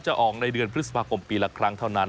ออกในเดือนพฤษภาคมปีละครั้งเท่านั้น